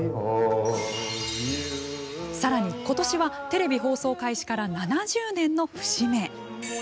さらに今年はテレビ放送開始から７０年の節目。